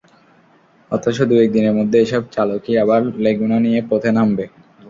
অথচ দুয়েক দিনের মধ্যে এসব চালকই আবার লেগুনা নিয়ে পথে নামবে।